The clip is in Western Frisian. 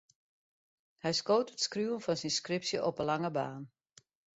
Hy skoot it skriuwen fan syn skripsje op 'e lange baan.